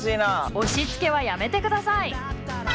押しつけはやめて下さい！